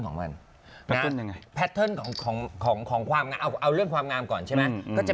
ยังไงแพทเทิร์นของของความงามเอาเรื่องความงามก่อนใช่ไหมก็จะ